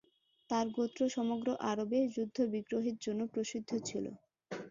তার গোত্র সমগ্র আরবে যুদ্ধ-বিগ্রহের জন্য প্রসিদ্ধ ছিল।